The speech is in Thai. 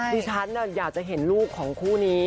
ดิฉันอยากจะเห็นลูกของคู่นี้